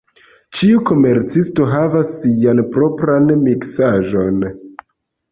Ĉiu komercisto havas sian propran miksaĵon.